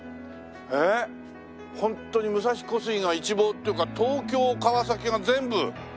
ええっホントに武蔵小杉が一望っていうか東京川崎が全部。